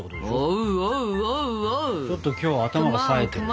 ちょっときょう頭がさえてるな。